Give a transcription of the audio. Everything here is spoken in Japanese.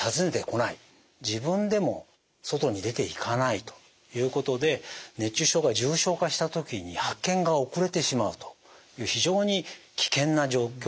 自分でも外に出ていかないということで熱中症が重症化した時に発見が遅れてしまうという非常に危険な状況が起こりえます。